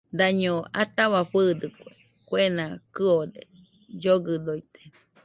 Daño ataua fɨɨdɨkue, kuena kɨode, llogɨdoite